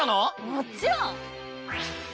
もちろん！